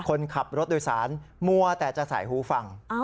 คนขับรถโดยสารมัวแต่จะใส่หูฟัง